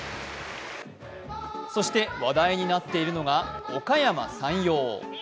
そして話題になっているのはおかやま山陽。